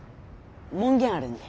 門限あるんで。